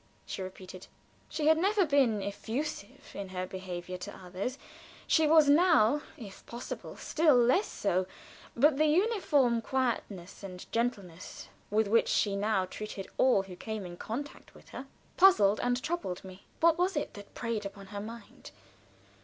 she repeated. She had never been effusive in her behavior to others; she was now, if possible, still less so, but the uniform quietness and gentleness with which she now treated all who came in contact with her, puzzled and troubled me. What was it that preyed upon her mind?